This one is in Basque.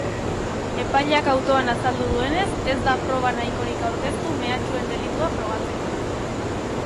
Epaileak autoan azaldu duenez, ez da proba nahikorik aurkeztu mehatxuen delitua frogatzeko.